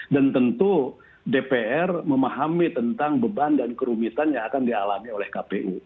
dan tentu dpr memahami tentang beban dan kerumitan yang akan dialami oleh kpu